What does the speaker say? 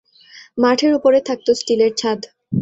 মাঠের ওপরে থাকত স্টিলের ছাদ।